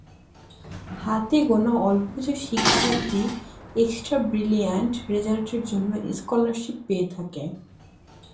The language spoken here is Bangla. হাতে গোনা অল্প কিছু শিক্ষার্থী এক্সট্রা ব্রিলিয়ান্ট রেজাল্টের জন্য স্কলারশিপ পেয়ে থাকে।